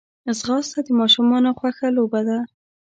ځغاسته د ماشومانو خوښه لوبه ده